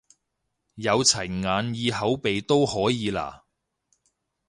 有齊眼耳口鼻都可以啦？